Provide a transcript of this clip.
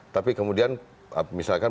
tapi kemudian misalkan